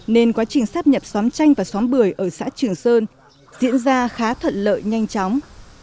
nên quá trình sắp nhập xóm chanh và xóm bưởi ở xã trường sơn diễn ra khá thận lợi nhanh chóng